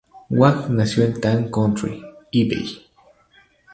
Wang nació en Tang County, Hebei.